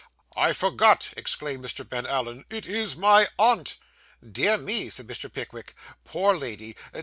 'I forgot,' exclaimed Mr. Ben Allen. 'It is my aunt.' 'Dear me!' said Mr. Pickwick. 'Poor lady!